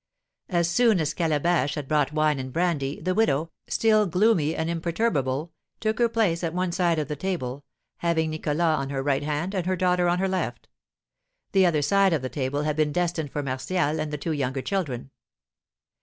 As soon as Calabash had brought wine and brandy, the widow, still gloomy and imperturbable, took her place at one side of the table, having Nicholas on her right hand and her daughter on her left; the other side of the table had been destined for Martial and the two younger children.